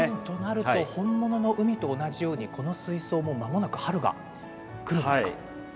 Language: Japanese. となると本物の海と同じようにこの水槽もまもなく春が来るんですか。